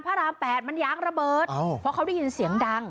ราม๘มันยางระเบิดเพราะเขาได้ยินเสียงดัง